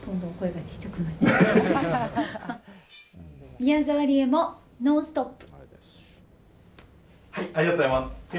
宮沢りえも「ノンストップ！」。